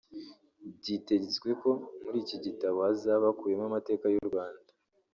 Byitezwe ko muri iki gitabo hazaba hakubiyemo amateka y’u Rwanda